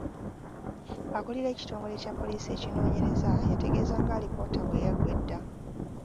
Akulira ekitongole kya poliisi ekinoonyereza yategeeza ng’alipoota bwe yaggwa edda .